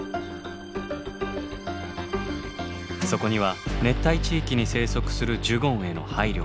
そこには熱帯地域に生息するジュゴンへの配慮が。